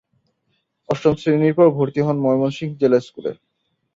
অষ্টম শ্রেণীর পর ভর্তি হন ময়মনসিংহ জেলা স্কুলে।